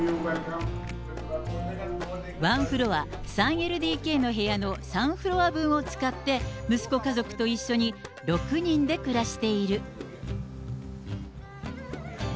ワンフロア、３ＬＤＫの部屋の３フロア分を使って、息子家族と一緒に６人で暮らしている。